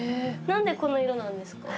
何でこの色なんですか？